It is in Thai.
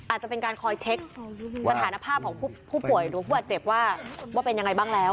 อาจจะเป็นการคอยเช็คสถานภาพของผู้ป่วยหรือผู้บาดเจ็บว่าเป็นยังไงบ้างแล้ว